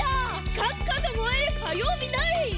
カッカともえるかようびだい！